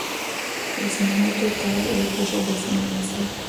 এজন্যই তো তারা এই পেশা বেছে নিয়েছে।